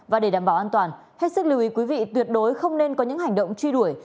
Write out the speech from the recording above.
và để đảm bảo an toàn hết sức lưu ý quý vị tuyệt đối không nên có những hành động truy đuổi